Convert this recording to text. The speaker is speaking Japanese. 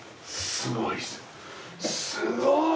すごい！